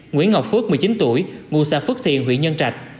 nguyễn ngọc phước một mươi chín tuổi ngu sa phước thiền huyện nhân trạch